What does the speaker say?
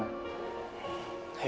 yaudah silahkan mas